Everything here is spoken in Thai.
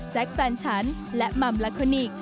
แจ๊คแฟนฉันและหม่ำลักษณิก